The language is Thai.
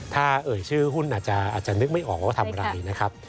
ถ้าเอ่ยชื่อหุ้นอาจจะนึกไม่ออกว่าทำอะไรนะครับ